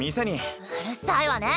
うるさいわね！